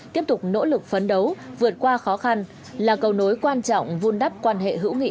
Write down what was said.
tiếp tục nỗ lực phấn đấu vượt qua khó khăn là cầu nối quan trọng vun đắp quan hệ hữu nghị